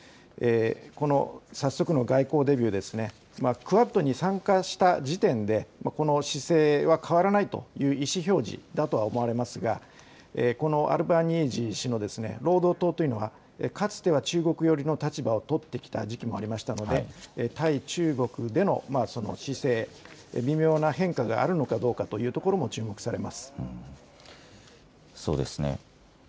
この早速の外交デビューですね、クアッドに参加した時点で、この姿勢は変わらないという意思表示だとは思われますが、このアルバニージー氏の労働党というのは、かつては中国寄りの立場を取ってきた時期もありましたので、対中国での姿勢、微妙な変化があるのかどうかというところも注目されそうですね。